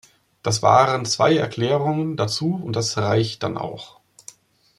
Das waren zwei Erklärungen dazu und das reicht dann auch.